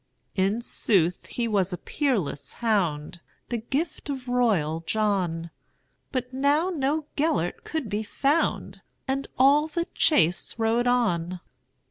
In sooth he was a peerless hound, The gift of royal John; But now no Gêlert could be found, And all the chase rode on.